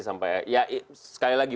sampai ya sekali lagi